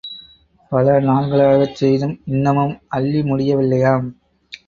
பல நாள்களாகச் செய்தும் இன்னமும் அள்ளி முடியவில்லையாம்!